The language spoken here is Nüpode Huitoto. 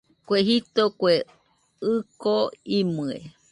Kue jito, kue ɨko imɨe